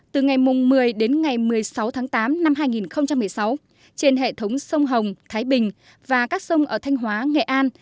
từ ngày một mươi đến ngày một mươi sáu tháng tám năm hai nghìn một mươi sáu trên hệ thống sông hồng thái bình và các sông ở thanh hóa nghệ an